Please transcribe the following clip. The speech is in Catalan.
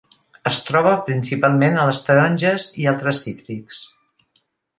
Es troba principalment a les taronges i altres cítrics.